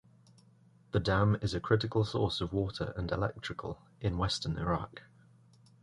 The dam is a critical source of water and electrical in western Iraq.